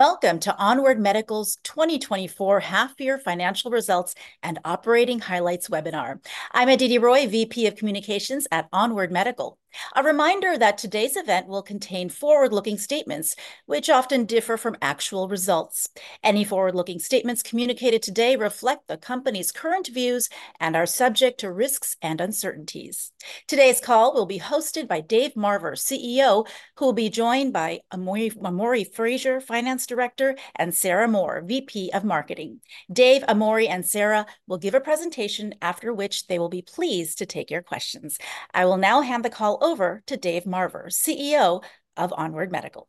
Welcome to ONWARD Medical's 2024 half-year financial results and operating highlights webinar. I'm Aditi Roy, VP of Communications at ONWARD Medical. A reminder that today's event will contain forward-looking statements, which often differ from actual results. Any forward-looking statements communicated today reflect the company's current views and are subject to risks and uncertainties. Today's call will be hosted by Dave Marver, CEO, who will be joined by Amori Fraser, Finance Director, and Sarah Moore, VP of Marketing. Dave, Amori, and Sarah will give a presentation, after which they will be pleased to take your questions. I will now hand the call over to Dave Marver, CEO of ONWARD Medical.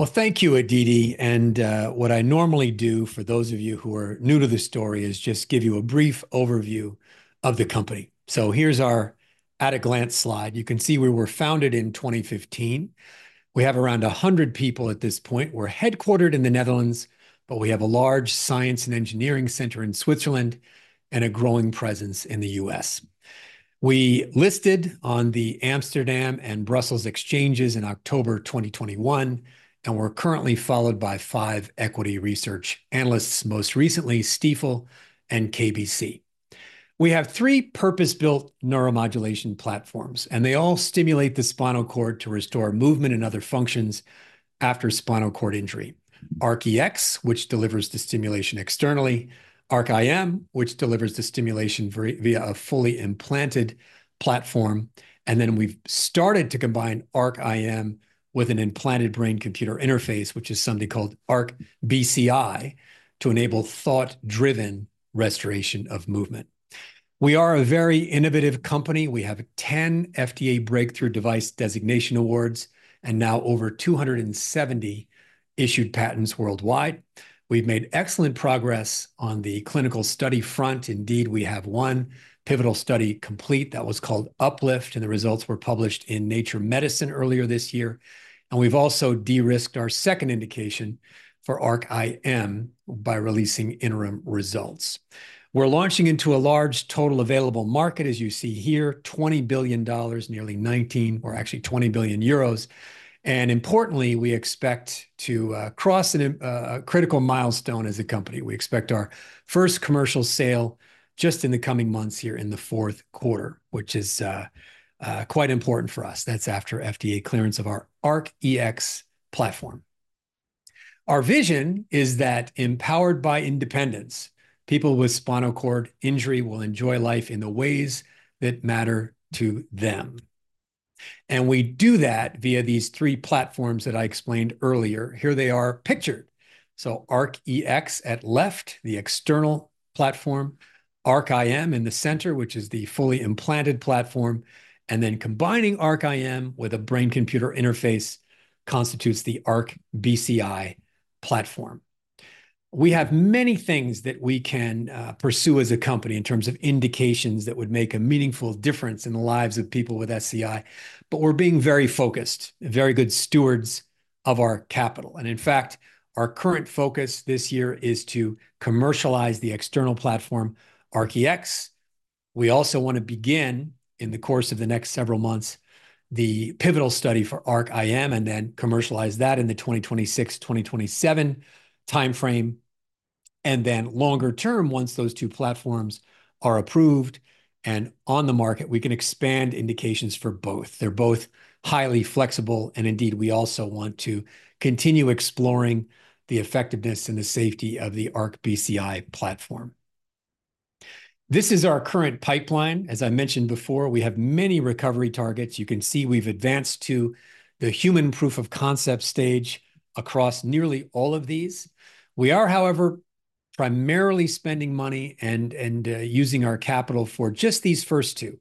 Thank you, Aditi, and what I normally do, for those of you who are new to this story, is just give you a brief overview of the company. Here's our at-a-glance slide. You can see we were founded in 2015. We have around 100 people at this point. We're headquartered in the Netherlands, but we have a large science and engineering center in Switzerland and a growing presence in the U.S. We listed on the Amsterdam and Brussels exchanges in October 2021, and we're currently followed by five equity research analysts, most recently Stifel and KBC. We have three purpose-built neuromodulation platforms, and they all stimulate the spinal cord to restore movement and other functions after spinal cord injury: ARC-EX, which delivers the stimulation externally. ARC-IM, which delivers the stimulation via a fully implanted platform. And then we've started to combine ARC-IM with an implanted brain-computer interface, which is something called ARC-BCI, to enable thought-driven restoration of movement. We are a very innovative company. We have ten FDA Breakthrough Device Designation awards and now over 270 issued patents worldwide. We've made excellent progress on the clinical study front. Indeed, we have one pivotal study complete. That was called UPLIFT, and the results were published in Nature Medicine earlier this year, and we've also de-risked our second indication for ARC-IM by releasing interim results. We're launching into a large total available market, as you see here, $20 billion, nearly 19 or actually 20 billion euros. And importantly, we expect to cross a critical milestone as a company. We expect our first commercial sale just in the coming months here in the fourth quarter, which is quite important for us. That's after FDA clearance of our ARC-EX platform. Our vision is that, empowered by independence, people with spinal cord injury will enjoy life in the ways that matter to them, and we do that via these three platforms that I explained earlier. Here they are pictured. So ARC-EX at left, the external platform; ARC-IM in the center, which is the fully implanted platform; and then combining ARC-IM with a brain-computer interface constitutes the ARC-BCI platform. We have many things that we can pursue as a company in terms of indications that would make a meaningful difference in the lives of people with SCI, but we're being very focused and very good stewards of our capital. And in fact, our current focus this year is to commercialize the external platform, ARC-EX. We also want to begin, in the course of the next several months, the pivotal study for ARC-IM and then commercialize that in the 2026, 2027 timeframe. And then longer term, once those two platforms are approved and on the market, we can expand indications for both. They're both highly flexible, and indeed, we also want to continue exploring the effectiveness and the safety of the ARC-BCI platform. This is our current pipeline. As I mentioned before, we have many recovery targets. You can see we've advanced to the human proof-of-concept stage across nearly all of these. We are, however, primarily spending money and using our capital for just these first two,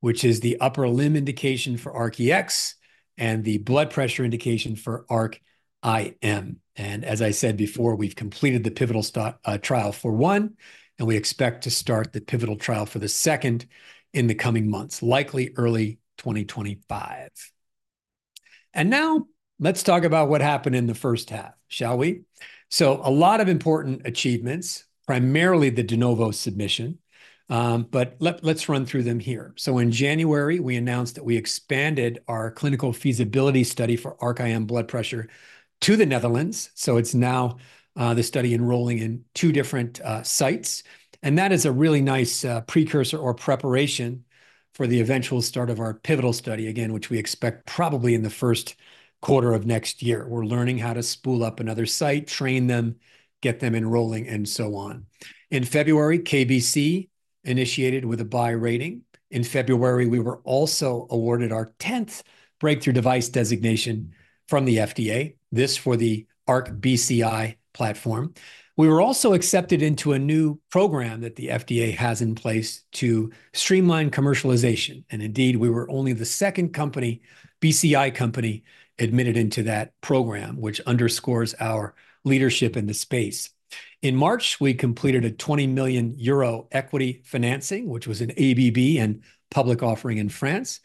which is the upper limb indication for ARC-EX and the blood pressure indication for ARC-IM. And as I said before, we've completed the pivotal trial for one, and we expect to start the pivotal trial for the second in the coming months, likely early 2025. And now let's talk about what happened in the first half, shall we? So a lot of important achievements, primarily the De Novo submission, but let's run through them here. So in January, we announced that we expanded our clinical feasibility study for ARC-IM blood pressure to the Netherlands, so it's now the study enrolling in two different sites. That is a really nice precursor or preparation for the eventual start of our pivotal study, again, which we expect probably in the first quarter of next year. We're learning how to spool up another site, train them, get them enrolling, and so on. In February, KBC initiated with a buy rating. In February, we were also awarded our tenth Breakthrough Device Designation from the FDA, this for the ARC-BCI platform. We were also accepted into a new program that the FDA has in place to streamline commercialization, and indeed, we were only the second company, BCI company, admitted into that program, which underscores our leadership in the space. In March, we completed a 20 million euro equity financing, which was an ABB and public offering in France.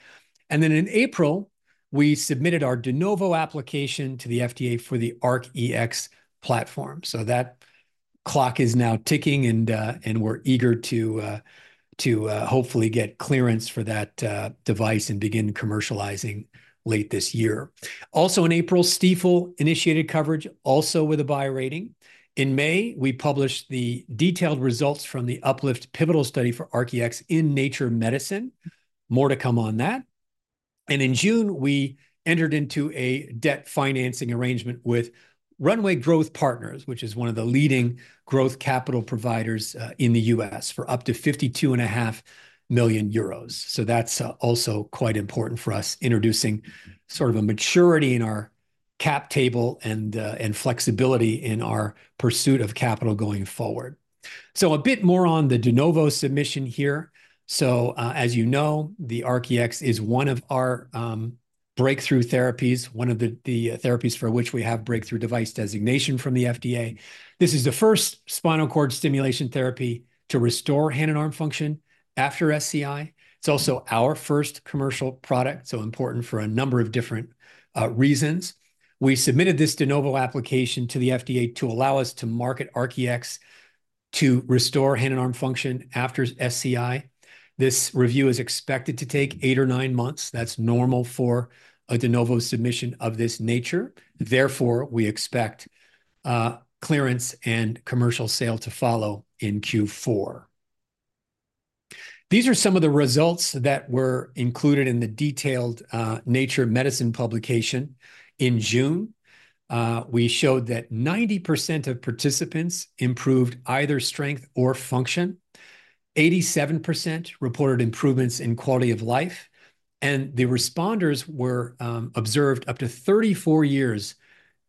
In April, we submitted our De Novo application to the FDA for the ARC-EX platform. So the clock is now ticking, and we're eager to hopefully get clearance for that device and begin commercializing late this year. Also, in April, Stifel initiated coverage, also with a buy rating. In May, we published the detailed results from the UPLIFT pivotal study for ARC-EX in Nature Medicine. More to come on that. And in June, we entered into a debt financing arrangement with Runway Growth Capital, which is one of the leading growth capital providers in the US for up to 52.5 million euros. So that's also quite important for us, introducing sort of a maturity in our cap table and flexibility in our pursuit of capital going forward. So a bit more on the De Novo submission here. So, as you know, the ARC-EX is one of our, breakthrough therapies, one of the, the therapies for which we have breakthrough device designation from the FDA. This is the first spinal cord stimulation therapy to restore hand and arm function after SCI. It's also our first commercial product, so important for a number of different, reasons. We submitted this De Novo application to the FDA to allow us to market ARC-EX to restore hand and arm function after SCI. This review is expected to take eight or nine months. That's normal for a De Novo submission of this nature, therefore, we expect, clearance and commercial sale to follow in Q4. These are some of the results that were included in the detailed, Nature Medicine publication in June. We showed that 90% of participants improved either strength or function, 87% reported improvements in quality of life, and the responders were observed up to 34 years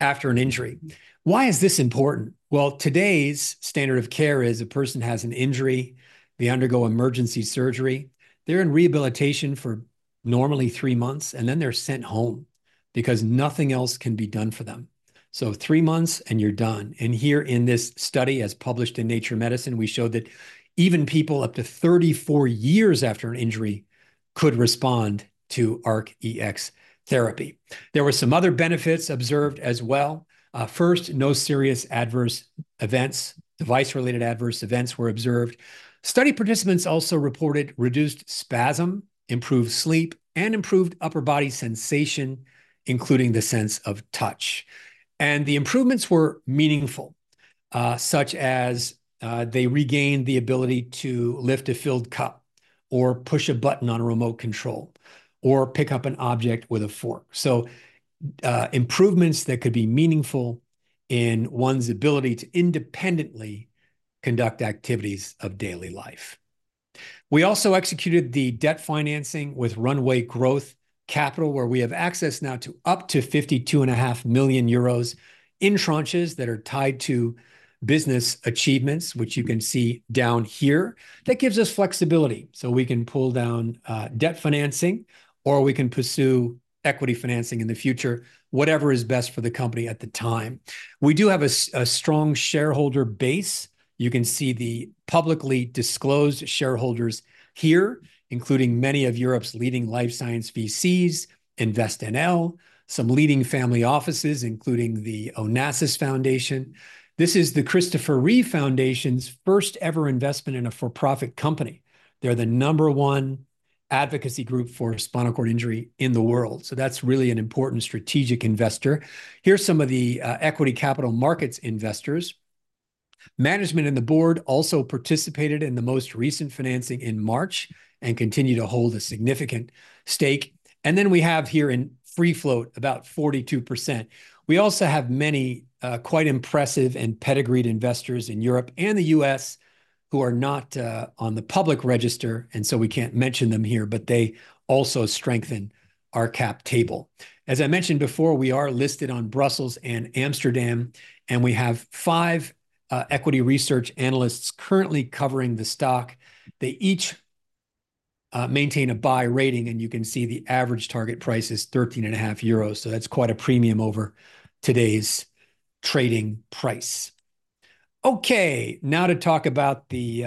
after an injury. Why is this important? Today's standard of care is a person has an injury, they undergo emergency surgery, they're in rehabilitation for normally three months, and then they're sent home because nothing else can be done for them. Three months, and you're done. Here in this study, as published in Nature Medicine, we showed that even people up to 34 years after an injury could respond to ARC-EX therapy. There were some other benefits observed as well. First, no serious, device-related adverse events were observed. Study participants also reported reduced spasm, improved sleep, and improved upper body sensation, including the sense of touch. And the improvements were meaningful, such as, they regained the ability to lift a filled cup or push a button on a remote control, or pick up an object with a fork. So, improvements that could be meaningful in one's ability to independently conduct activities of daily life. We also executed the debt financing with Runway Growth Capital, where we have access now to up to 52.5 million euros in tranches that are tied to business achievements, which you can see down here. That gives us flexibility, so we can pull down debt financing, or we can pursue equity financing in the future, whatever is best for the company at the time. We do have a strong shareholder base. You can see the publicly disclosed shareholders here, including many of Europe's leading life science VCs, Invest-NL, some leading family offices, including the Onassis Foundation. This is the Christopher Reeve Foundation's first-ever investment in a for-profit company. They're the number one advocacy group for spinal cord injury in the world, so that's really an important strategic investor. Here's some of the equity capital markets investors. Management and the board also participated in the most recent financing in March and continue to hold a significant stake. And then we have here in free float, about 42%. We also have many quite impressive and pedigreed investors in Europe and the U.S. who are not on the public register, and so we can't mention them here, but they also strengthen our cap table. As I mentioned before, we are listed on Brussels and Amsterdam, and we have five equity research analysts currently covering the stock. They each maintain a buy rating, and you can see the average target price is 13.5 euros, so that's quite a premium over today's trading price. Okay, now to talk about the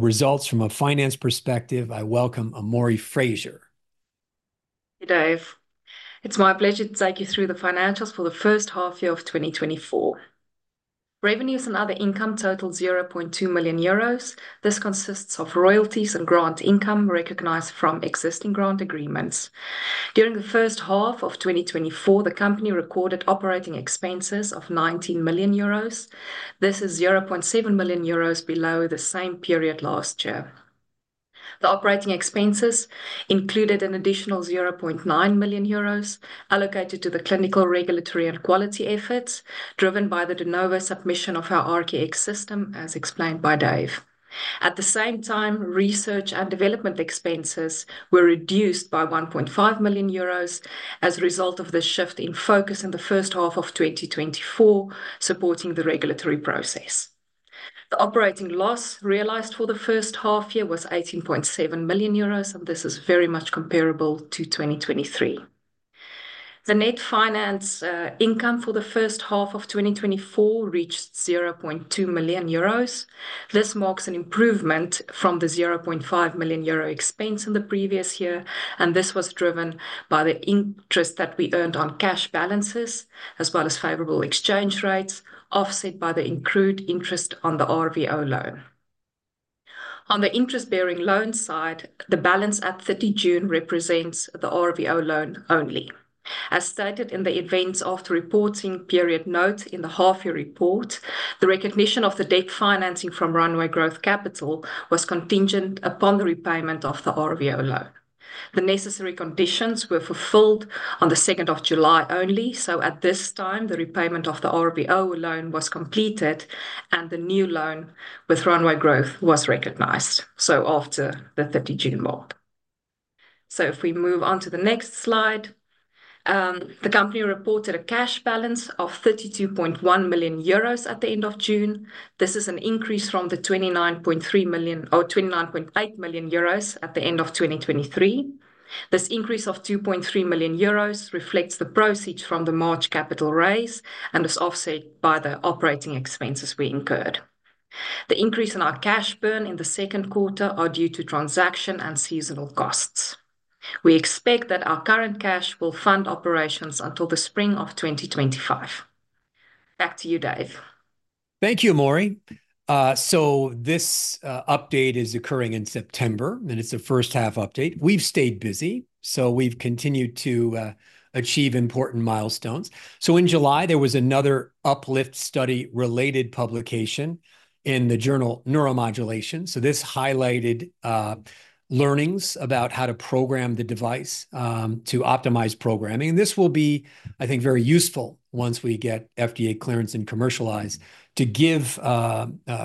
results from a finance perspective, I welcome Amori Fraser. Hey, Dave. It's my pleasure to take you through the financials for the first half year of twenty twenty-four. Revenues and other income total 0.2 million euros. This consists of royalties and grant income recognized from existing grant agreements. During the first half of twenty twenty-four, the company recorded operating expenses of 19 million euros. This is 0.7 million euros below the same period last year. The operating expenses included an additional 0.9 million euros allocated to the clinical, regulatory, and quality efforts, driven by the De Novo submission of our ARC-EX system, as explained by Dave. At the same time, research and development expenses were reduced by 1.5 million euros as a result of the shift in focus in the first half of twenty twenty-four, supporting the regulatory process. The operating loss realized for the first half year was 18.7 million euros, and this is very much comparable to 2023. The net finance income for the first half of 2024 reached 0.2 million euros. This marks an improvement from the 0.5 million euro expense in the previous year, and this was driven by the interest that we earned on cash balances, as well as favorable exchange rates, offset by the accrued interest on the RVO loan. On the interest-bearing loan side, the balance at 30 June represents the RVO loan only. As stated in the events after reporting period note in the half-year report, the recognition of the debt financing from Runway Growth Capital was contingent upon the repayment of the RVO loan. The necessary conditions were fulfilled on the 2nd of July only, so at this time, the repayment of the RVO loan was completed, and the new loan with Runway Growth was recognized, so after the 30 June mark. So if we move on to the next slide, the company reported a cash balance of 32.1 million euros at the end of June. This is an increase from the 29.3 million, or 29.8 million euros at the end of 2023. This increase of 2.3 million euros reflects the proceeds from the March capital raise and is offset by the operating expenses we incurred. The increase in our cash burn in the second quarter are due to transaction and seasonal costs. We expect that our current cash will fund operations until the spring of 2025. Back to you, Dave. Thank you, Amori. This update is occurring in September, and it's a first-half update. We've stayed busy, so we've continued to achieve important milestones. In July, there was another UPLIFT study-related publication in the journal, Neuromodulation. This highlighted learnings about how to program the device to optimize programming, and this will be, I think, very useful once we get FDA clearance and commercialize, to give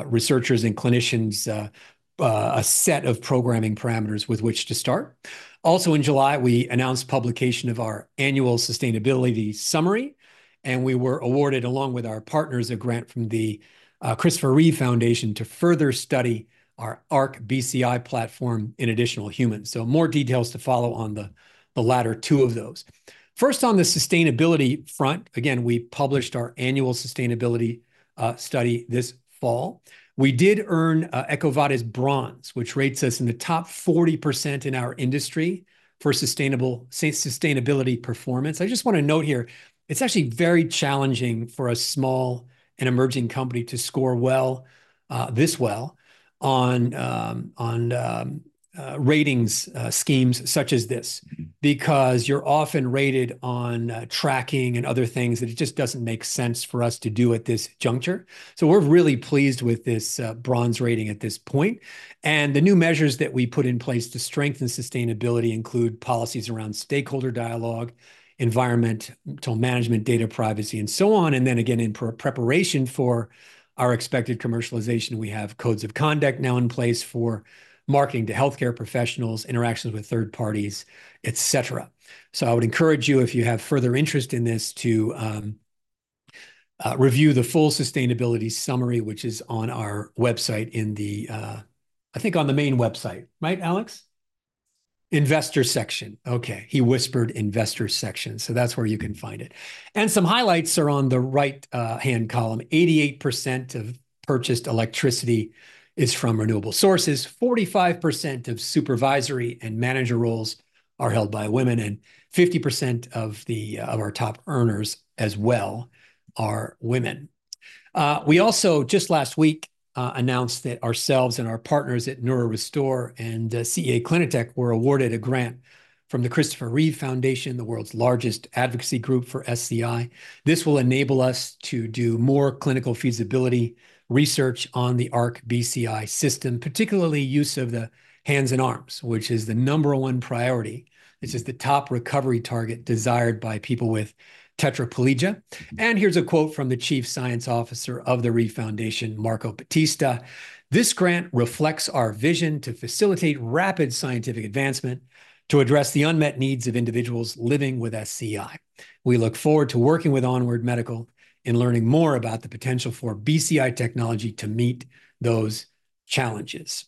researchers and clinicians a set of programming parameters with which to start. Also in July, we announced publication of our annual sustainability summary, and we were awarded, along with our partners, a grant from the Christopher & Dana Reeve Foundation to further study our ARC-BCI platform in additional humans. More details to follow on the latter two of those. First, on the sustainability front, again, we published our annual sustainability study this fall. We did earn EcoVadis Bronze, which rates us in the top 40% in our industry for sustainability performance. I just want to note here, it's actually very challenging for a small and emerging company to score this well on ratings schemes such as this because you're often rated on tracking and other things that it just doesn't make sense for us to do at this juncture. So we're really pleased with this bronze rating at this point, and the new measures that we put in place to strengthen sustainability include policies around stakeholder dialogue, environmental management, data privacy, and so on. And then again, in pre-preparation for our expected commercialization, we have codes of conduct now in place for marketing to healthcare professionals, interactions with third parties, et cetera. So I would encourage you, if you have further interest in this, to review the full sustainability summary, which is on our website in the I think on the main website. Right, Alex? Investor section. Okay, he whispered, "Investor section," so that's where you can find it. And some highlights are on the right hand column. 88% of purchased electricity is from renewable sources, 45% of supervisory and manager roles are held by women, and 50% of the of our top earners, as well, are women. We also, just last week, announced that ourselves and our partners at NeuroRestore and CEA-Clinatec were awarded a grant from the Christopher & Dana Reeve Foundation, the world's largest advocacy group for SCI. This will enable us to do more clinical feasibility research on the ARC-BCI system, particularly use of the hands and arms, which is the number one priority. This is the top recovery target desired by people with tetraplegia. And here's a quote from the chief scientific officer of the Reeve Foundation, Marco Baptista: "This grant reflects our vision to facilitate rapid scientific advancement to address the unmet needs of individuals living with SCI. We look forward to working with ONWARD Medical and learning more about the potential for BCI technology to meet those challenges."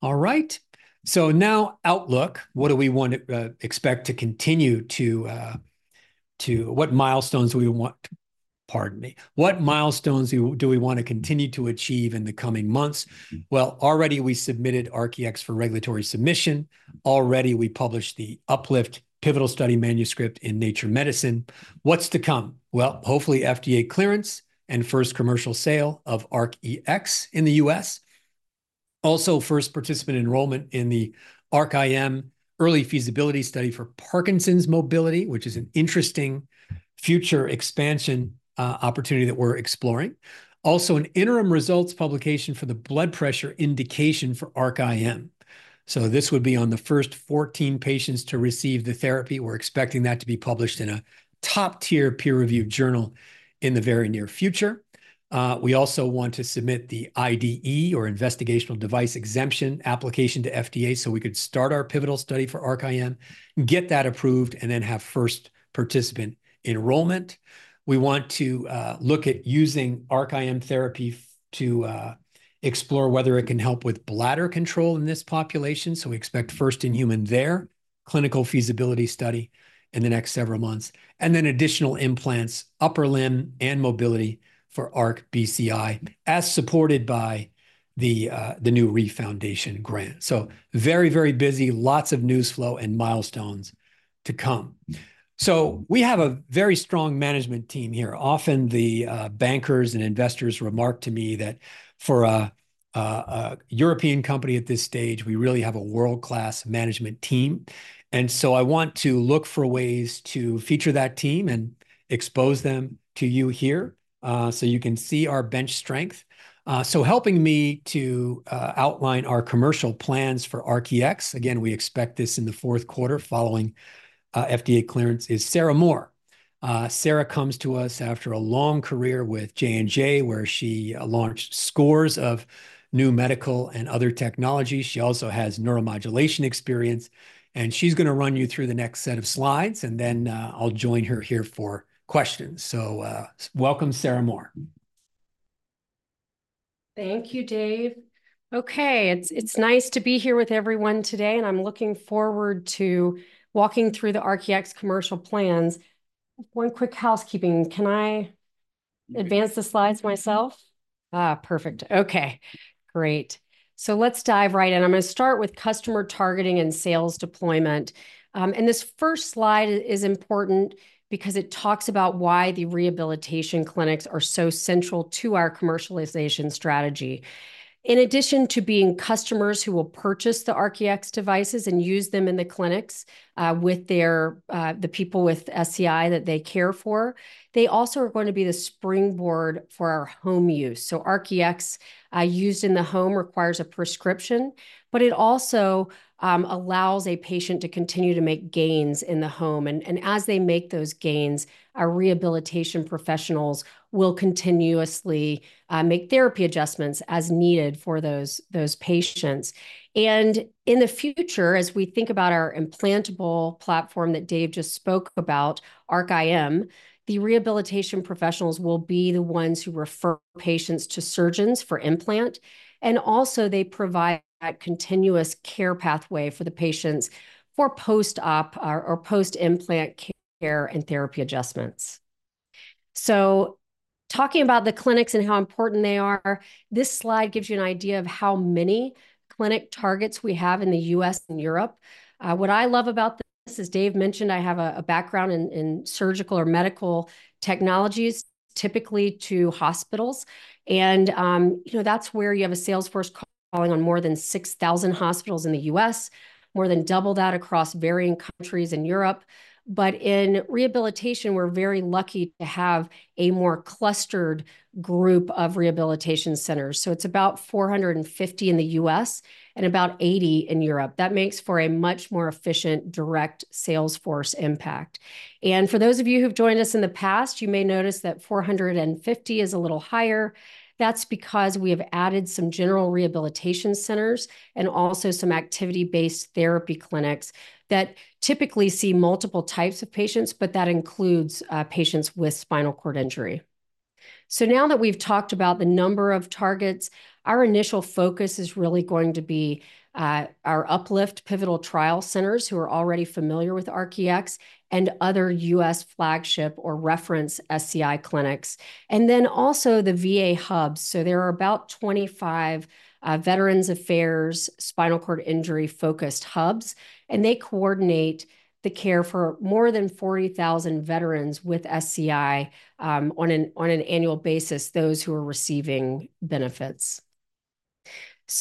All right, so now outlook. What do we want to to... What milestones do we want? Pardon me. What milestones do we want to continue to achieve in the coming months? Well, already we submitted ARC-EX for regulatory submission. Already, we published the UPLIFT pivotal study manuscript in Nature Medicine. What's to come? Well, hopefully FDA clearance and first commercial sale of ARC-EX in the US. Also, first participant enrollment in the ARC-IM early feasibility study for Parkinson's mobility, which is an interesting future expansion, opportunity that we're exploring. Also, an interim results publication for the blood pressure indication for ARC-IM. So this would be on the first 14 patients to receive the therapy. We're expecting that to be published in a top-tier peer-reviewed journal in the very near future. We also want to submit the IDE, or Investigational Device Exemption, application to FDA so we could start our pivotal study for ARC-IM, get that approved, and then have first participant enrollment. We want to look at using ARC-IM therapy to explore whether it can help with bladder control in this population, so we expect first-in-human there, clinical feasibility study in the next several months, and then additional implants, upper limb, and mobility for ARC-BCI, as supported by the new Reeve Foundation grant. Very, very busy. Lots of news flow and milestones to come. We have a very strong management team here. Often, the bankers and investors remark to me that for a European company at this stage. We really have a world-class management team, and so I want to look for ways to feature that team and expose them to you here, so you can see our bench strength. So helping me to outline our commercial plans for ARC-EX, again, we expect this in the fourth quarter following FDA clearance, is Sarah Moore. Sarah comes to us after a long career with J&J, where she launched scores of new medical and other technologies. She also has neuromodulation experience, and she's going to run you through the next set of slides, and then, I'll join her here for questions. So, welcome, Sarah Moore. Thank you, Dave. Okay, it's nice to be here with everyone today, and I'm looking forward to walking through the ARC-EX commercial plans. One quick housekeeping: Can I- Mm-hmm... advance the slides myself? Ah, perfect. Okay, great, so let's dive right in. I'm going to start with customer targeting and sales deployment, and this first slide is important because it talks about why the rehabilitation clinics are so central to our commercialization strategy. In addition to being customers who will purchase the ARC-EX devices and use them in the clinics with their the people with SCI that they care for, they also are going to be the springboard for our home use, so ARC-EX used in the home requires a prescription, but it also allows a patient to continue to make gains in the home, and as they make those gains, our rehabilitation professionals will continuously make therapy adjustments as needed for those patients. In the future, as we think about our implantable platform that Dave just spoke about, ARC-IM, the rehabilitation professionals will be the ones who refer patients to surgeons for implant, and also they provide that continuous care pathway for the patients for post-op or post-implant care and therapy adjustments. Talking about the clinics and how important they are, this slide gives you an idea of how many clinic targets we have in the US and Europe. What I love about this, as Dave mentioned, I have a background in surgical or medical technologies, typically to hospitals. You know, that's where you have a sales force calling on more than 6,000 hospitals in the US, more than double that across varying countries in Europe. But in rehabilitation, we're very lucky to have a more clustered group of rehabilitation centers, so it's about 450 in the U.S. and about 80 in Europe. That makes for a much more efficient direct sales force impact. And for those of you who've joined us in the past, you may notice that 450 is a little higher. That's because we have added some general rehabilitation centers and also some activity-based therapy clinics that typically see multiple types of patients, but that includes patients with spinal cord injury. So now that we've talked about the number of targets, our initial focus is really going to be our UPLIFT pivotal trial centers, who are already familiar with ARC-EX, and other U.S. flagship or reference SCI clinics, and then also the VA hubs. There are about 25 Veterans Affairs spinal cord injury-focused hubs, and they coordinate the care for more than 40,000 veterans with SCI on an annual basis, those who are receiving benefits.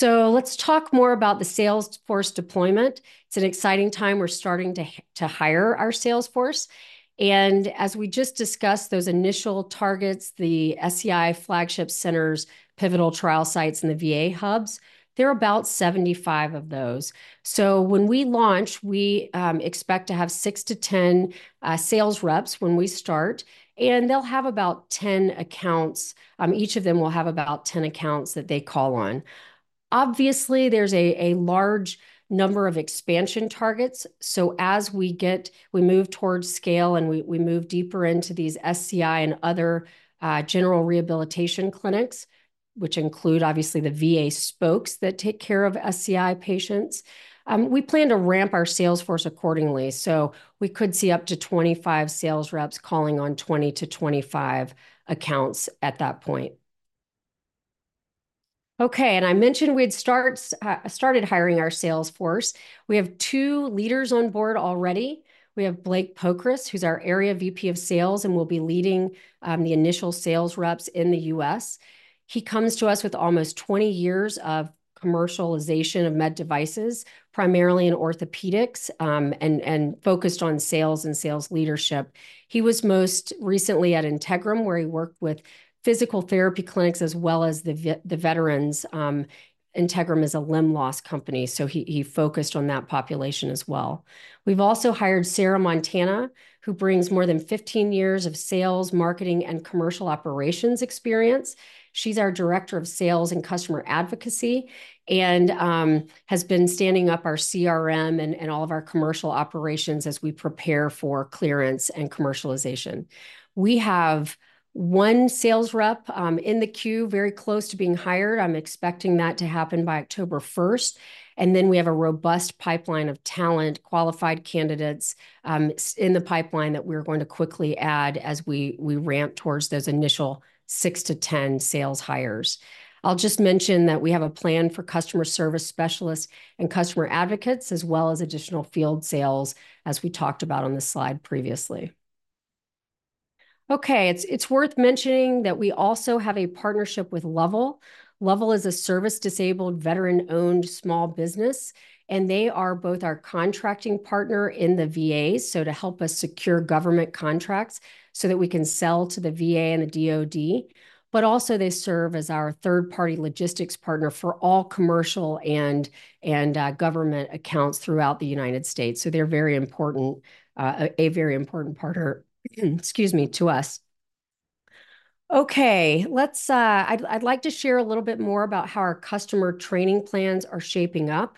Let's talk more about the sales force deployment. It's an exciting time. We're starting to hire our sales force. As we just discussed, those initial targets, the SCI flagship centers, pivotal trial sites, and the VA hubs, there are about 75 of those. When we launch, we expect to have 6 to 10 sales reps when we start, and they'll have about 10 accounts. Each of them will have about 10 accounts that they call on. Obviously, there's a large number of expansion targets, so as we move towards scale, and we move deeper into these SCI and other general rehabilitation clinics, which include, obviously, the VA spokes that take care of SCI patients. We plan to ramp our sales force accordingly. So we could see up to 25 sales reps calling on 20 to 25 accounts at that point. Okay, and I mentioned we'd started hiring our sales force. We have two leaders on board already. We have Blake Pokrass, who's our Area VP of Sales and will be leading the initial sales reps in the US. He comes to us with almost 20 years of commercialization of med devices, primarily in orthopedics, and focused on sales and sales leadership. He was most recently at Integrum, where he worked with physical therapy clinics, as well as the veterans. Integrum is a limb loss company, so he focused on that population as well. We've also hired Sarah Montana, who brings more than 15 years of sales, marketing, and commercial operations experience. She's our director of sales and customer advocacy and has been standing up our CRM and all of our commercial operations as we prepare for clearance and commercialization. We have one sales rep in the queue, very close to being hired. I'm expecting that to happen by October 1st, and then we have a robust pipeline of talent, qualified candidates in the pipeline that we're going to quickly add as we ramp towards those initial six to 10 sales hires. I'll just mention that we have a plan for customer service specialists and customer advocates, as well as additional field sales, as we talked about on this slide previously. Okay, it's worth mentioning that we also have a partnership with Lovell Government Services. Lovell Government Services is a service-disabled, veteran-owned small business, and they are both our contracting partner in the VA, so to help us secure government contracts so that we can sell to the VA and the DOD, but also they serve as our third-party logistics partner for all commercial and government accounts throughout the United States. So they're very important, a very important partner, excuse me, to us. Okay, let's... I'd like to share a little bit more about how our customer training plans are shaping up.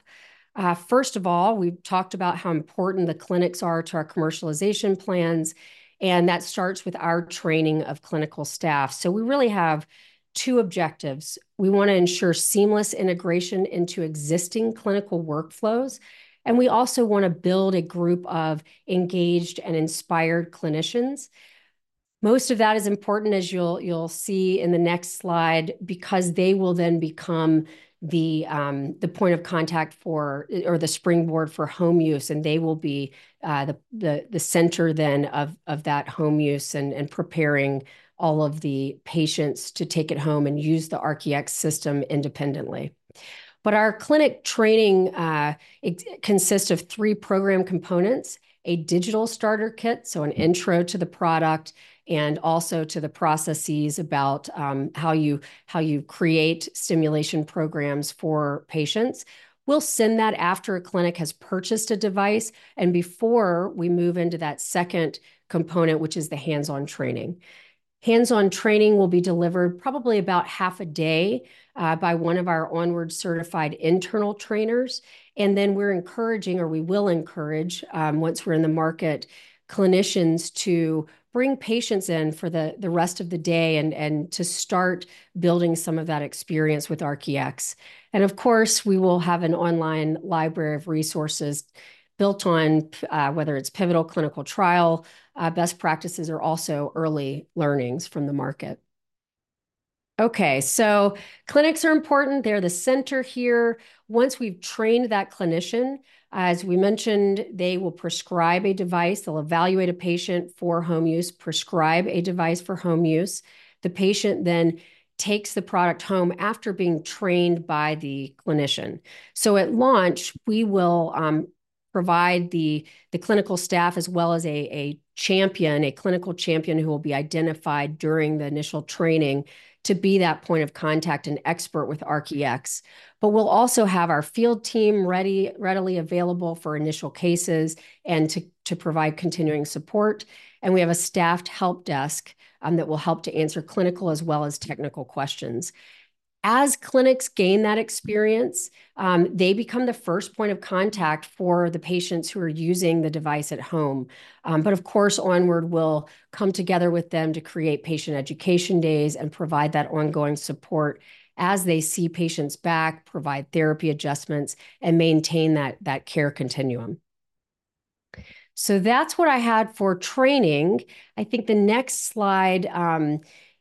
First of all, we've talked about how important the clinics are to our commercialization plans, and that starts with our training of clinical staff. So we really have two objectives. We wanna ensure seamless integration into existing clinical workflows, and we also wanna build a group of engaged and inspired clinicians. Most of that is important, as you'll see in the next slide, because they will then become the point of contact for, or the springboard for home use, and they will be the center then of that home use and preparing all of the patients to take it home and use the ARC-EX system independently. Our clinic training, it consists of three program components: a digital starter kit, so an intro to the product and also to the processes about how you create stimulation programs for patients. We'll send that after a clinic has purchased a device and before we move into that second component, which is the hands-on training. Hands-on training will be delivered probably about half a day by one of our Onward-certified internal trainers, and then we're encouraging, or we will encourage, once we're in the market, clinicians to bring patients in for the rest of the day and to start building some of that experience with ARC-EX. Of course, we will have an online library of resources built on whether it's pivotal clinical trial best practices, or also early learnings from the market. Okay, so clinics are important. They're the center here. Once we've trained that clinician, as we mentioned, they will prescribe a device. They'll evaluate a patient for home use, prescribe a device for home use. The patient then takes the product home after being trained by the clinician. So at launch, we will provide the clinical staff as well as a champion, a clinical champion who will be identified during the initial training to be that point of contact and expert with ARC-EX. But we'll also have our field team readily available for initial cases and to provide continuing support, and we have a staffed help desk that will help to answer clinical as well as technical questions. As clinics gain that experience, they become the first point of contact for the patients who are using the device at home. But of course, Onward will come together with them to create patient education days and provide that ongoing support as they see patients back, provide therapy adjustments, and maintain that care continuum. That's what I had for training. I think the next slide is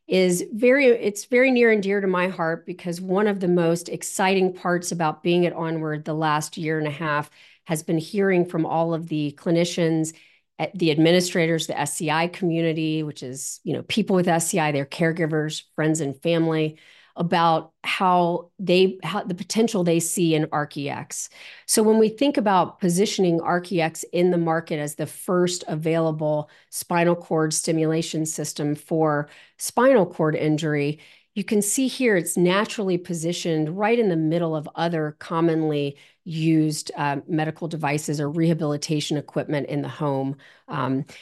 very near and dear to my heart because one of the most exciting parts about being at Onward the last year and a half has been hearing from all of the clinicians, and the administrators, the SCI community, which is, you know, people with SCI, their caregivers, friends, and family, about how the potential they see in ARC-EX. So when we think about positioning ARC-EX in the market as the first available spinal cord stimulation system for spinal cord injury, you can see here it's naturally positioned right in the middle of other commonly used medical devices or rehabilitation equipment in the home.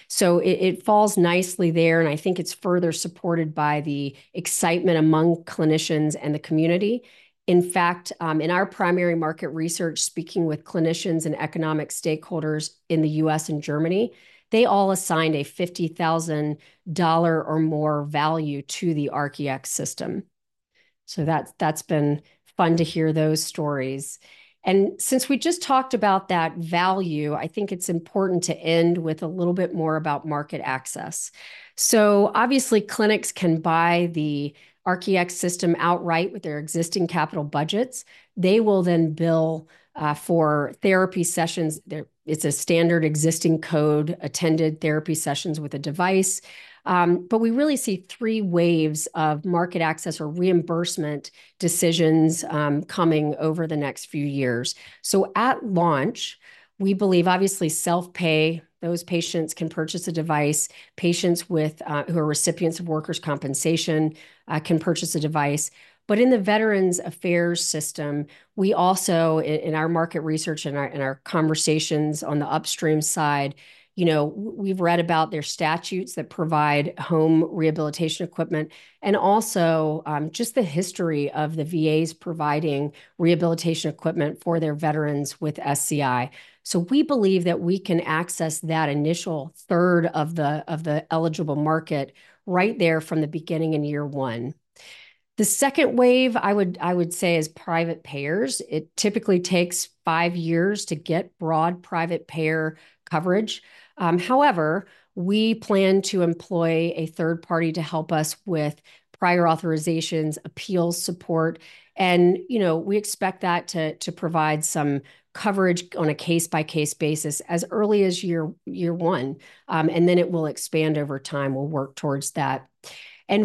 So it falls nicely there, and I think it's further supported by the excitement among clinicians and the community. In fact, in our primary market research, speaking with clinicians and economic stakeholders in the US and Germany, they all assigned a $50,000 or more value to the ARC-EX system. So that's been fun to hear those stories. And since we just talked about that value, I think it's important to end with a little bit more about market access. So obviously, clinics can buy the ARC-EX system outright with their existing capital budgets. They will then bill for therapy sessions. It's a standard existing code, attended therapy sessions with a device. But we really see three waves of market access or reimbursement decisions coming over the next few years. So at launch, we believe, obviously, self-pay, those patients can purchase a device. Patients with who are recipients of workers' compensation can purchase a device. But in the Veterans Affairs system, we also in our market research and our conversations on the upstream side, you know, we've read about their statutes that provide home rehabilitation equipment and also just the history of the VAs providing rehabilitation equipment for their veterans with SCI. So we believe that we can access that initial third of the eligible market right there from the beginning in year one. The second wave, I would say is private payers. It typically takes five years to get broad private payer coverage. However, we plan to employ a third party to help us with prior authorizations, appeals support, and, you know, we expect that to provide some coverage on a case-by-case basis as early as year one. And then it will expand over time. We'll work towards that.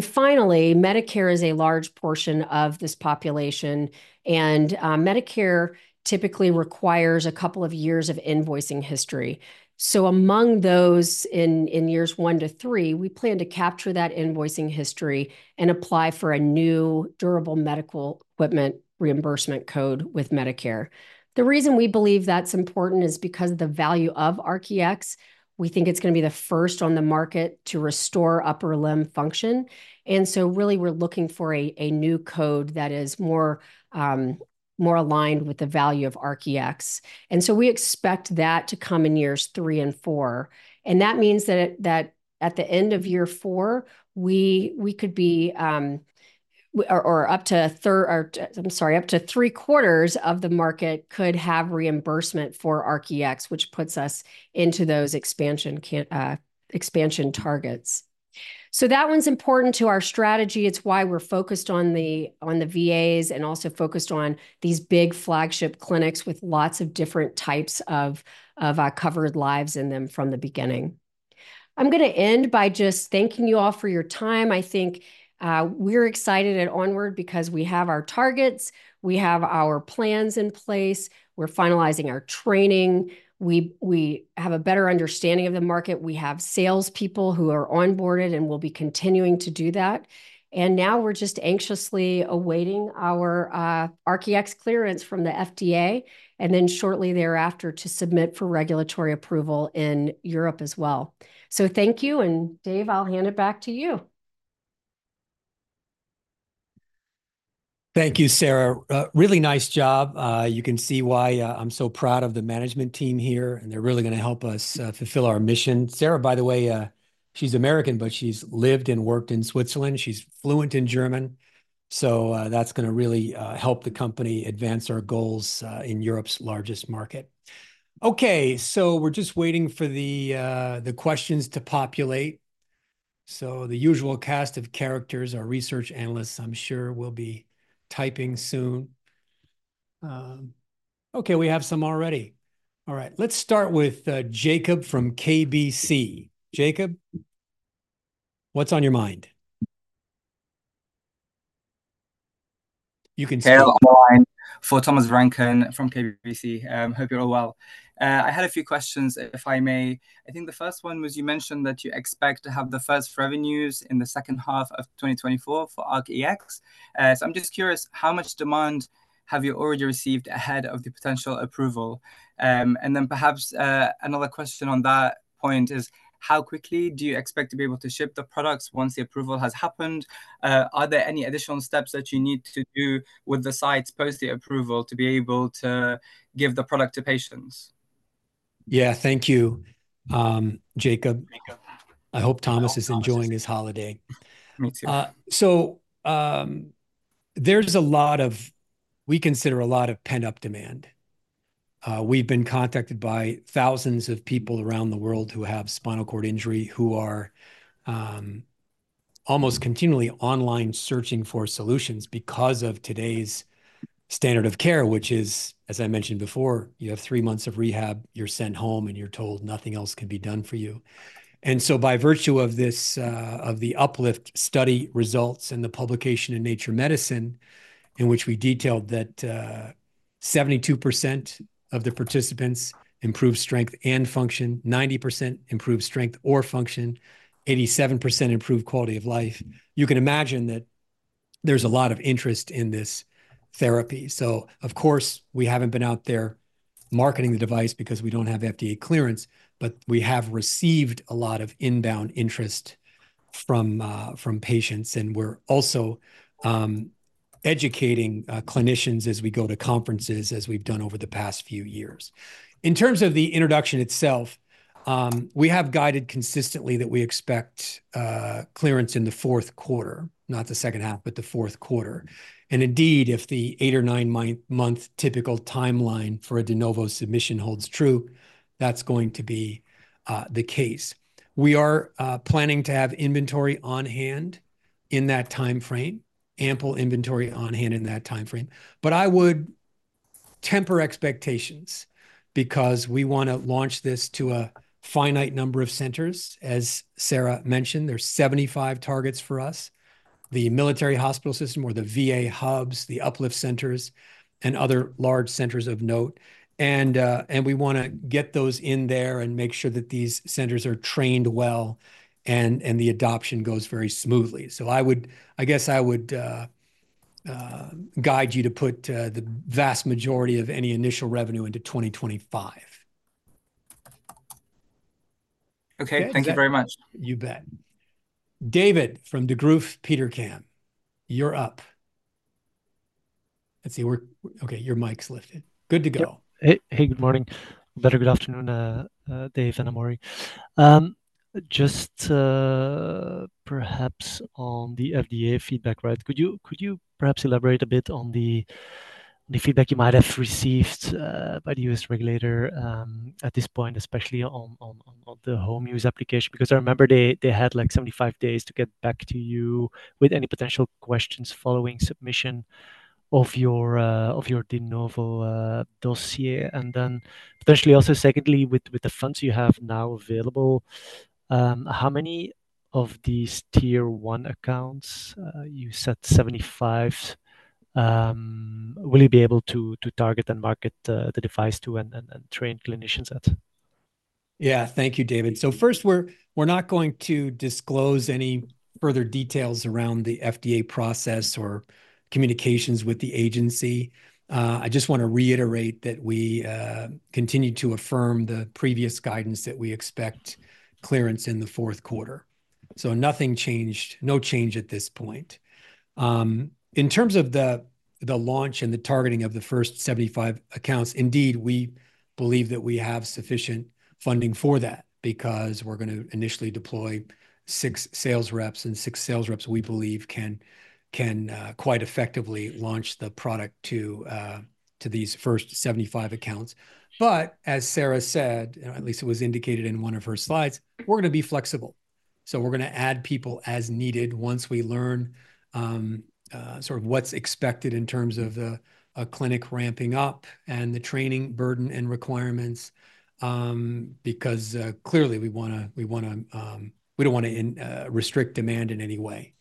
Finally, Medicare is a large portion of this population, and Medicare typically requires a couple of years of invoicing history. So among those in years one to three, we plan to capture that invoicing history and apply for a new durable medical equipment reimbursement code with Medicare. The reason we believe that's important is because the value of ARC-EX, we think it's gonna be the first on the market to restore upper limb function, and so really, we're looking for a new code that is more aligned with the value of ARC-EX. And so we expect that to come in years three and four, and that means that at the end of year four, we could be- or up to a third, or I'm sorry, up to three-quarters of the market could have reimbursement for ARC-EX, which puts us into those expansion targets. So that one's important to our strategy. It's why we're focused on the VAs, and also focused on these big flagship clinics with lots of different types of covered lives in them from the beginning. I'm gonna end by just thanking you all for your time. I think we're excited at Onward because we have our targets, we have our plans in place, we're finalizing our training. We have a better understanding of the market. We have salespeople who are onboarded, and will be continuing to do that. Now we're just anxiously awaiting our ARC-EX clearance from the FDA, and then shortly thereafter, to submit for regulatory approval in Europe as well, so thank you, and Dave, I'll hand it back to you. Thank you, Sarah. Really nice job. You can see why I'm so proud of the management team here, and they're really gonna help us fulfill our mission. Sarah, by the way, she's American, but she's lived and worked in Switzerland. She's fluent in German, so that's gonna really help the company advance our goals in Europe's largest market. Okay, so we're just waiting for the questions to populate. The usual cast of characters, our research analysts, I'm sure, will be typing soon. Okay, we have some already. All right, let's start with Jacob from KBC. Jacob, what's on your mind? You can speak- for Thomas Vranken from KBC. Hope you're all well. I had a few questions, if I may. I think the first one was, you mentioned that you expect to have the first revenues in the second half of 2024 for ARC-EX. So I'm just curious, how much demand have you already received ahead of the potential approval? And then perhaps, another question on that point is, how quickly do you expect to be able to ship the products once the approval has happened? Are there any additional steps that you need to do with the sites post the approval to be able to give the product to patients? Yeah. Thank you, Jacob. I hope Thomas is enjoying his holiday. Me too. We consider a lot of pent-up demand. We've been contacted by thousands of people around the world who have spinal cord injury, who are almost continually online searching for solutions because of today's standard of care, which is, as I mentioned before, you have three months of rehab, you're sent home, and you're told nothing else can be done for you, and so by virtue of this, of the UPLIFT study results and the publication in Nature Medicine, in which we detailed that 72% of the participants improved strength and function, 90% improved strength or function, 87% improved quality of life, you can imagine that there's a lot of interest in this therapy. So of course, we haven't been out there marketing the device because we don't have FDA clearance, but we have received a lot of inbound interest from patients, and we're also educating clinicians as we go to conferences, as we've done over the past few years. In terms of the introduction itself, we have guided consistently that we expect clearance in the fourth quarter, not the second half, but the fourth quarter, and indeed, if the eight or nine month typical timeline for a De Novo submission holds true, that's going to be the case. We are planning to have inventory on hand in that timeframe, ample inventory on hand in that timeframe, but I would temper expectations, because we wanna launch this to a finite number of centers. As Sarah mentioned, there's 75 targets for us: the military hospital system or the VA hubs, the UPLIFT centers, and other large centers of note. And we wanna get those in there and make sure that these centers are trained well, and the adoption goes very smoothly. So I guess I would guide you to put the vast majority of any initial revenue into 2025. Okay. Yeah. Thank you very much. You bet. David from Degroof Petercam, you're up. Let's see. Okay, your mic's lifted. Good to go. Yep. Hey, hey, good morning. Well, good afternoon, Dave and Amori. Just, perhaps on the FDA feedback, right, could you perhaps elaborate a bit on the feedback you might have received by the US regulator at this point, especially on the home use application? Because I remember they had, like, 75 days to get back to you with any potential questions following submission of your De Novo dossier. And then potentially also, secondly, with the funds you have now available, how many of these Tier 1 accounts you said 75 will you be able to target and market the device to, and train clinicians at? Yeah. Thank you, David. So first, we're not going to disclose any further details around the FDA process or communications with the agency. I just wanna reiterate that we continue to affirm the previous guidance that we expect clearance in the fourth quarter. So nothing changed. No change at this point. In terms of the launch and the targeting of the first 75 accounts. Indeed, we believe that we have sufficient funding for that, because we're gonna initially deploy six sales reps, and six sales reps, we believe, can quite effectively launch the product to these first 75 accounts. But as Sarah said, at least it was indicated in one of her slides, we're gonna be flexible. So we're gonna add people as needed once we learn sort of what's expected in terms of a clinic ramping up and the training burden and requirements. Because clearly we wanna. We don't wanna restrict demand in any way.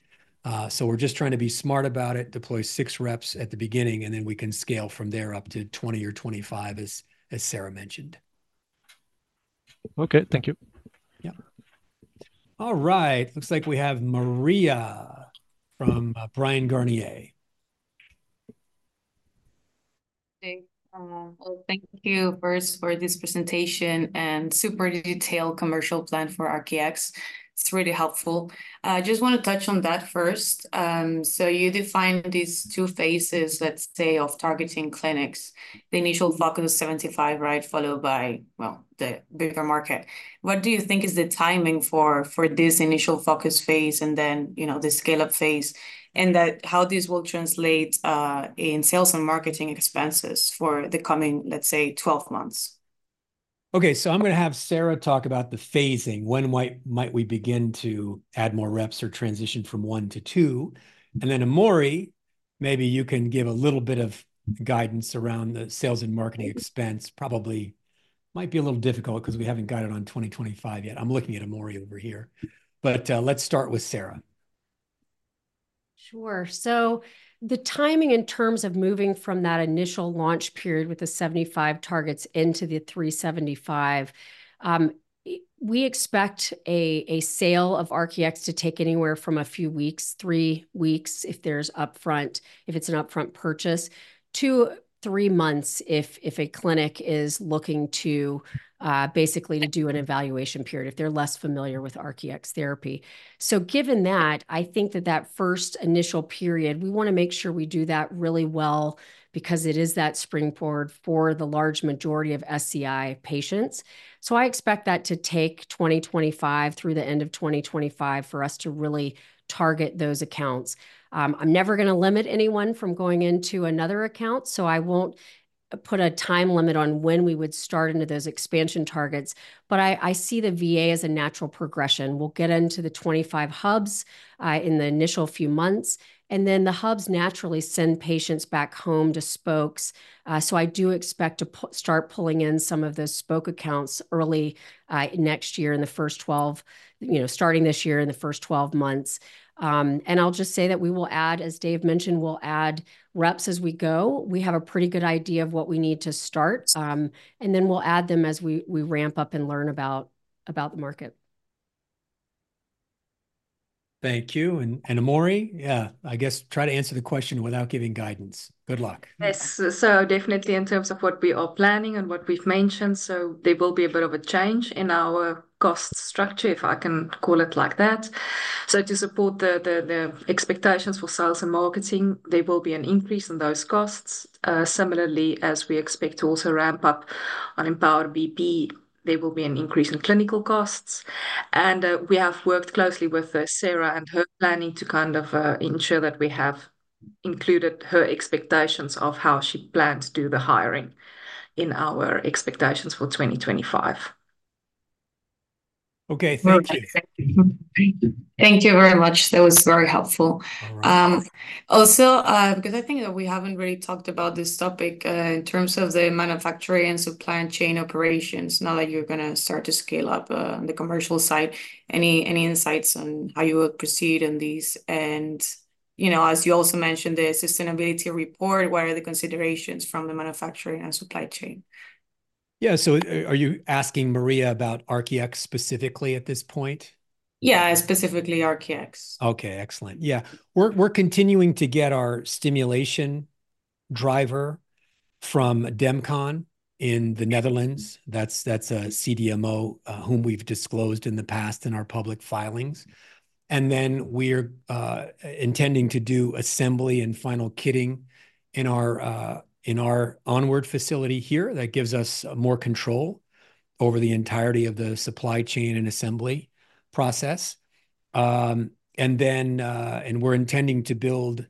So we're just trying to be smart about it, deploy six reps at the beginning, and then we can scale from there up to 20 or 25, as Sarah mentioned. Okay, thank you. Yeah. All right, looks like we have Maria from Bryan Garnier. Hey, thank you first for this presentation and super detailed commercial plan for ARC-EX. It's really helpful. I just wanna touch on that first. So you defined these two phases, let's say, of targeting clinics. The initial focus, 75, right, followed by the bigger market. What do you think is the timing for this initial focus phase and then, you know, the scale-up phase, and that, how this will translate in sales and marketing expenses for the coming, let's say, 12 months? Okay, so I'm gonna have Sarah talk about the phasing. When might, might we begin to add more reps or transition from one to two? And then, Amori, maybe you can give a little bit of guidance around the sales and marketing expense. Probably might be a little difficult 'cause we haven't got it on 2025 yet. I'm looking at Amori over here. But, let's start with Sarah. Sure. So the timing in terms of moving from that initial launch period with the 75 targets into the 375, we expect a sale of ARC-EX to take anywhere from a few weeks, three weeks, if there's upfront—if it's an upfront purchase, to three months, if a clinic is looking to basically to do an evaluation period, if they're less familiar with ARC-EX therapy. So given that, I think that that first initial period, we wanna make sure we do that really well because it is that springboard for the large majority of SCI patients. So I expect that to take 2025 through the end of 2025 for us to really target those accounts. I'm never gonna limit anyone from going into another account, so I won't put a time limit on when we would start into those expansion targets, but I, I see the VA as a natural progression. We'll get into the 25 hubs in the initial few months, and then the hubs naturally send patients back home to spokes. So I do expect to start pulling in some of those spoke accounts early next year, in the first 12 months, you know, starting this year, in the first 12 months. And I'll just say that we will add, as Dave mentioned, we'll add reps as we go. We have a pretty good idea of what we need to start, and then we'll add them as we ramp up and learn about the market. Thank you. Amori, yeah, I guess try to answer the question without giving guidance. Good luck. Yes, so definitely in terms of what we are planning and what we've mentioned, so there will be a bit of a change in our cost structure, if I can call it like that, so to support the expectations for sales and marketing, there will be an increase in those costs. Similarly, as we expect to also ramp up on Empower BP, there will be an increase in clinical costs, and we have worked closely with Sarah and her planning to kind of ensure that we have included her expectations of how she plans to do the hiring in our expectations for twenty twenty-five. Okay, thank you. Thank you. Thank you very much. That was very helpful. All right. Also, because I think that we haven't really talked about this topic, in terms of the manufacturing and supply chain operations, now that you're gonna start to scale up, on the commercial side, any insights on how you will proceed in these? And, you know, as you also mentioned, the sustainability report, what are the considerations from the manufacturing and supply chain? Yeah, so are you asking, Maria, about ARC-EX specifically at this point? Yeah, specifically ARC-EX. Okay, excellent. Yeah. We're continuing to get our stimulation driver from Demcon in the Netherlands. That's a CDMO whom we've disclosed in the past in our public filings. And then we're intending to do assembly and final kitting in our Onward facility here. That gives us more control over the entirety of the supply chain and assembly process. And we're intending to build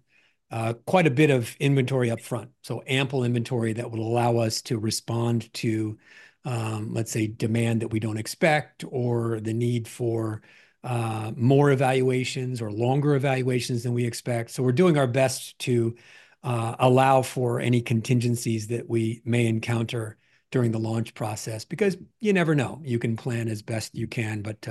quite a bit of inventory upfront, so ample inventory that would allow us to respond to, let's say, demand that we don't expect or the need for more evaluations or longer evaluations than we expect. So we're doing our best to allow for any contingencies that we may encounter during the launch process, because you never know. You can plan as best you can, but,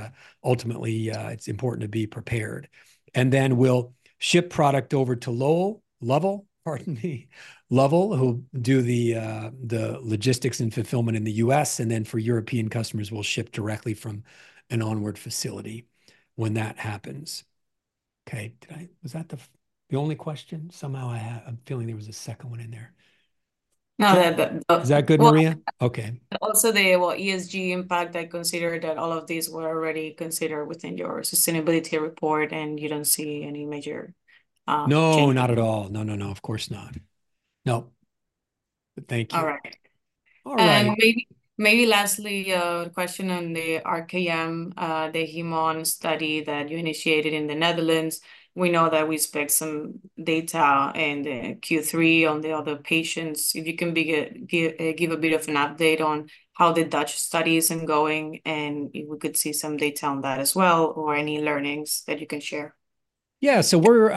ultimately, it's important to be prepared, and then we'll ship product over to Lovell, pardon me, Lovell, who'll do the, the logistics and fulfillment in the U.S., and then for European customers, we'll ship directly from an Onward facility when that happens. Okay, did I was that the the only question? Somehow I'm feeling there was a second one in there. No, the Is that good, Maria? Okay. Also, ESG impact, I consider that all of these were already considered within your sustainability report, and you don't see any major changes? No, not at all. No, no, no, of course not. Nope. But thank you. All right. All right. Maybe, maybe lastly, a question on the ARC-IM, the HemON study that you initiated in the Netherlands. We know that we expect some data in the Q3 on the other patients. If you can give a bit of an update on how the Dutch study is ongoing, and if we could see some data on that as well, or any learnings that you can share. Yeah, so we're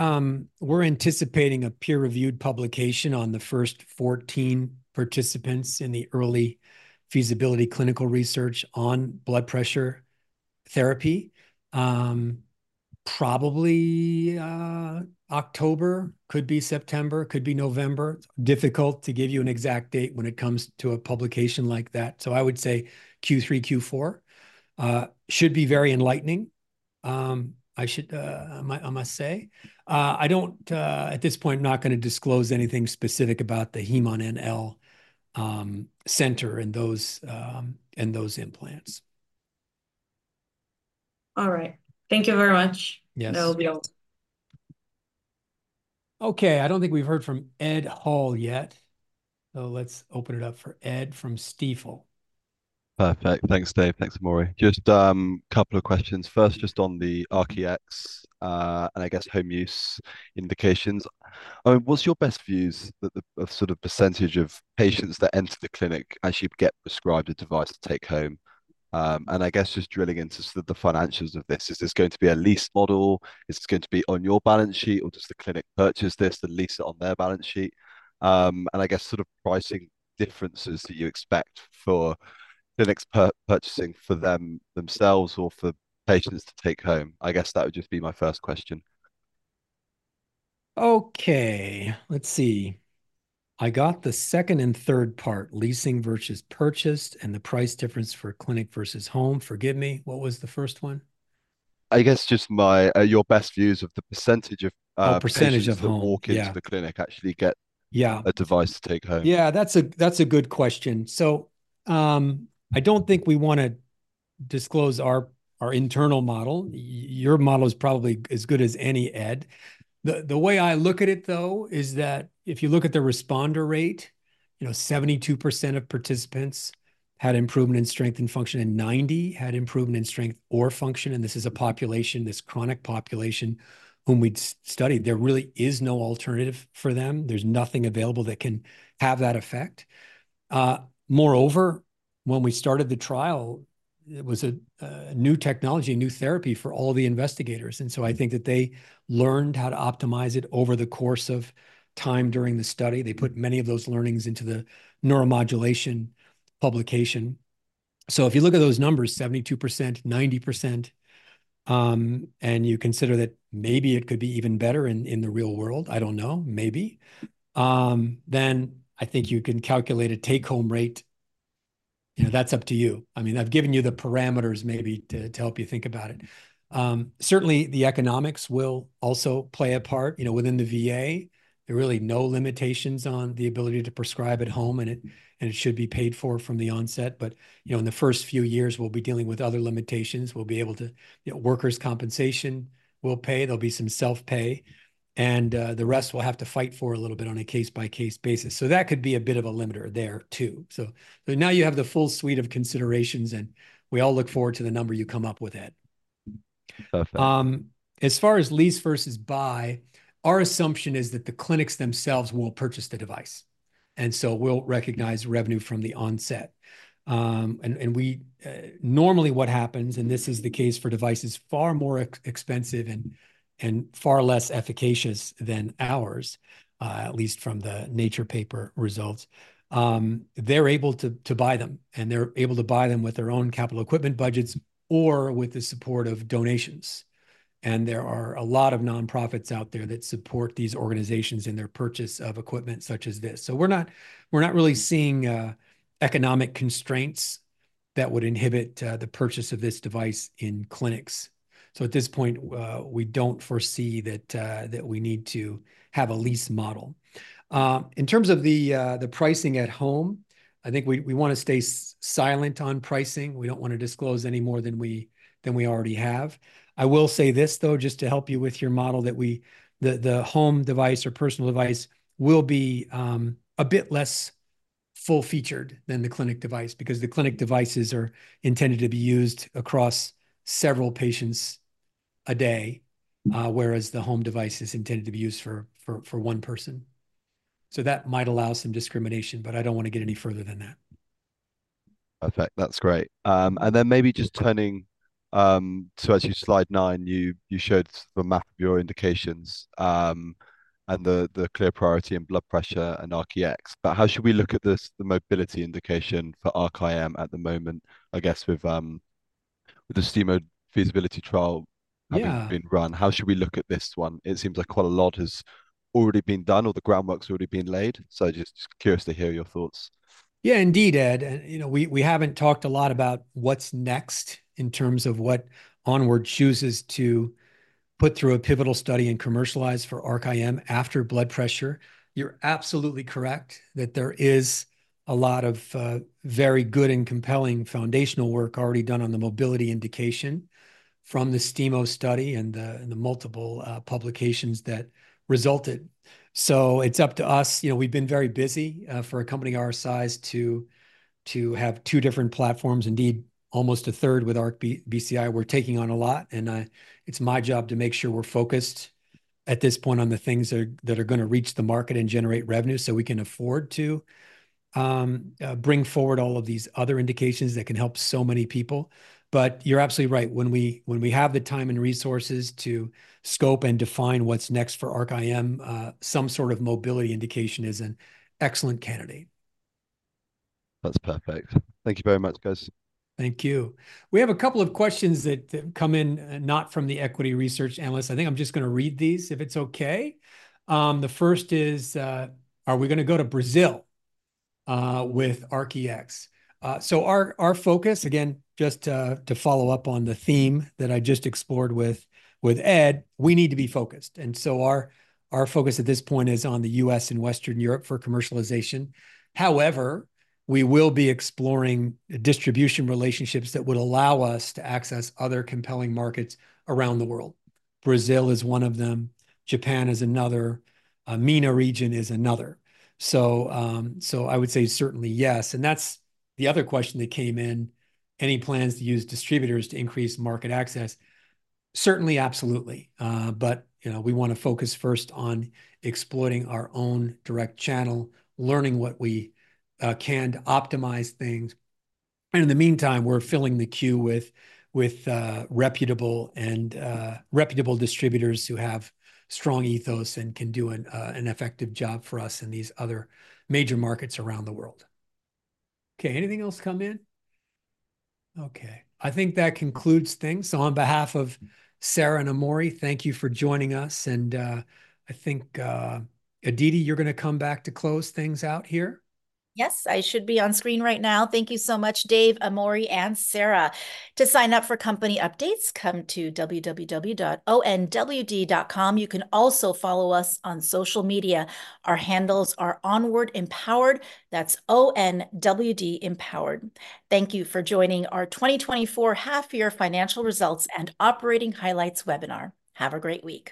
anticipating a peer-reviewed publication on the first 14 participants in the early feasibility clinical research on blood pressure therapy. Probably October, could be September, could be November. Difficult to give you an exact date when it comes to a publication like that. So I would say Q3, Q4. Should be very enlightening. I must say. I don't, at this point, not gonna disclose anything specific about the HemON NL center and those implants. All right. Thank you very much. Yes. That will be all. Okay, I don't think we've heard from Ed Hall yet, so let's open it up for Ed from Stifel. Perfect. Thanks, Dave. Thanks, Amori. Just a couple of questions. First, just on the ARC-EX, and I guess home use indications. I mean, what's your best views that the, of sort of percentage of patients that enter the clinic actually get prescribed a device to take home? And I guess just drilling into the financials of this. Is this going to be a lease model? Is this going to be on your balance sheet, or does the clinic purchase this and lease it on their balance sheet? And I guess sort of pricing differences do you expect for clinics purchasing for them themselves or for patients to take home? I guess that would just be my first question. Okay, let's see. I got the second and third part, leasing versus purchased, and the price difference for clinic versus home. Forgive me, what was the first one? I guess just my, your best views of the percentage of, Oh, percentage of home.... patients that walk into the clinic actually get- Yeah... a device to take home. Yeah, that's a good question. So, I don't think we wanna disclose our internal model. Your model is probably as good as any, Ed. The way I look at it, though, is that if you look at the responder rate, you know, 72% of participants had improvement in strength and function, and 90 had improvement in strength or function, and this is a population, this chronic population, whom we'd studied. There really is no alternative for them. There's nothing available that can have that effect. Moreover, when we started the trial, it was a new technology, a new therapy for all the investigators, and so I think that they learned how to optimize it over the course of time during the study. They put many of those learnings into the neuromodulation publication. So if you look at those numbers, 72%, 90%, and you consider that maybe it could be even better in the real world, I don't know, maybe, then I think you can calculate a take-home rate. You know, that's up to you. I mean, I've given you the parameters maybe to help you think about it. Certainly, the economics will also play a part. You know, within the VA, there are really no limitations on the ability to prescribe at home, and it should be paid for from the onset. But, you know, in the first few years, we'll be dealing with other limitations. We'll be able to. You know, workers' compensation will pay, there'll be some self-pay, and the rest we'll have to fight for a little bit on a case-by-case basis. So that could be a bit of a limiter there, too. So, now you have the full suite of considerations, and we all look forward to the number you come up with, Ed. Perfect. As far as lease versus buy, our assumption is that the clinics themselves will purchase the device, and so we'll recognize revenue from the onset. Normally, what happens, and this is the case for devices far more expensive and far less efficacious than ours, at least from the Nature paper results, they're able to buy them, and they're able to buy them with their own capital equipment budgets or with the support of donations. There are a lot of nonprofits out there that support these organizations in their purchase of equipment such as this. So we're not really seeing economic constraints that would inhibit the purchase of this device in clinics. So at this point, we don't foresee that we need to have a lease model. In terms of the pricing at home, I think we wanna stay silent on pricing. We don't wanna disclose any more than we already have. I will say this, though, just to help you with your model, that the home device or personal device will be a bit less full-featured than the clinic device, because the clinic devices are intended to be used across several patients a day, whereas the home device is intended to be used for one person. So that might allow some discrimination, but I don't wanna get any further than that. Perfect. That's great, and then maybe just turning, so as you slide nine, you showed the map of your indications, and the clear priority in blood pressure and ARC-EX. But how should we look at this, the mobility indication for ARC-IM at the moment, I guess, with the STIMO feasibility trial- Yeah... having been run, how should we look at this one? It seems like quite a lot has already been done, or the groundwork's already been laid, so just curious to hear your thoughts. Yeah, indeed, Ed, and, you know, we haven't talked a lot about what's next in terms of what Onward chooses to put through a pivotal study and commercialize for ARC-IM after blood pressure. You're absolutely correct that there is a lot of very good and compelling foundational work already done on the mobility indication from the STIMO study and the multiple publications that resulted. So it's up to us. You know, we've been very busy for a company our size to have two different platforms, indeed, almost a third with ARC-BCI. We're taking on a lot, and it's my job to make sure we're focused at this point on the things that are gonna reach the market and generate revenue, so we can afford to bring forward all of these other indications that can help so many people. But you're absolutely right, when we have the time and resources to scope and define what's next for ARC-IM, some sort of mobility indication is an excellent candidate. That's perfect. Thank you very much, guys. Thank you. We have a couple of questions that come in, not from the equity research analyst. I think I'm just gonna read these, if it's okay. The first is: "Are we gonna go to Brazil with ARC-EX?" So our focus, again, just to follow up on the theme that I just explored with Ed, we need to be focused, and so our focus at this point is on the U.S. and Western Europe for commercialization. However, we will be exploring distribution relationships that would allow us to access other compelling markets around the world. Brazil is one of them, Japan is another, MENA region is another. So I would say certainly yes, and that's the other question that came in: "Any plans to use distributors to increase market access?" Certainly, absolutely. But you know, we wanna focus first on exploiting our own direct channel, learning what we can to optimize things. And in the meantime, we're filling the queue with reputable distributors who have strong ethos and can do an effective job for us in these other major markets around the world. Okay, anything else come in? Okay, I think that concludes things. So on behalf of Sarah and Amori, thank you for joining us, and I think Aditi, you're gonna come back to close things out here? Yes, I should be on screen right now. Thank you so much, Dave, Amori, and Sarah. To sign up for company updates, come to www.onwd.com. You can also follow us on social media. Our handles are ONWARD Empowered, that's O-N-W-D Empowered. Thank you for joining our 2024 half-year financial results and operating highlights webinar. Have a great week!